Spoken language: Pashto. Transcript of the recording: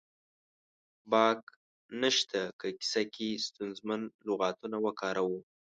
باک نه شته که کیسه کې ستونزمن لغاتونه وکاروو